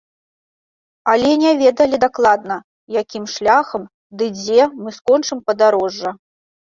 Але не ведалі дакладна, якім шляхам, ды дзе мы скончым падарожжа.